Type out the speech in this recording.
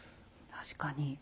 確かに。